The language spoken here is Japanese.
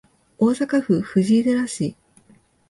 大阪府藤井寺市